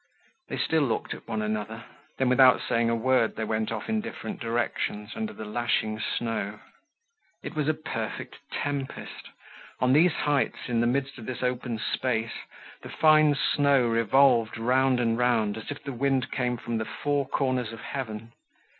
They still looked at one another. Then, without saying a word, they went off in different directions under the lashing snow. It was a perfect tempest. On these heights, in the midst of this open space, the fine snow revolved round and round as if the wind came from the four corners of heaven.